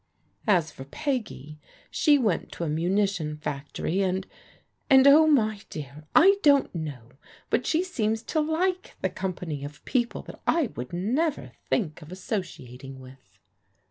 As for Peggy, she went to a munition factory, and — ^and, oh, my dear — ^I don't know, but she seems to like the company of people that I would never think of associating with."